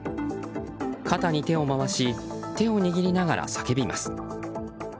肩に手を回し手を握りながら叫びます。